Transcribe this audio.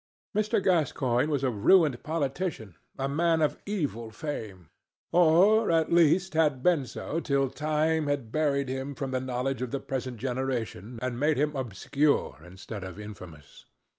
Mr. Gascoigne was a ruined politician, a man of evil fame—or, at least, had been so till time had buried him from the knowledge of the present generation and made him obscure instead of infamous.